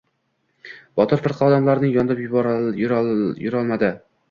Botir firqa odamlarni yorib yurolmadi.